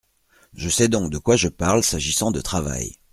Je sais donc de quoi je parle s’agissant de travail.